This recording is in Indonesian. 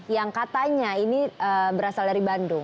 yang katanya ini berasal dari bandung